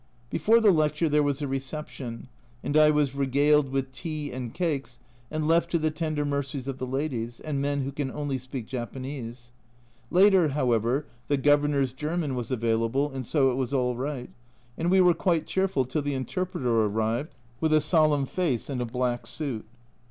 Before the lecture there was a reception, and I was regaled with tea and cakes and left to the tender mercies of the ladies, and men who can only speak Japanese ; later, however, the Governor's German was available, and so it was all right, and we were quite cheerful till the interpreter arrived with a solemn face and a black suit.